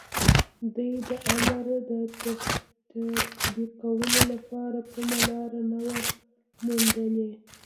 دوی د امر د تطبيقولو لپاره کومه لاره نه وه موندلې.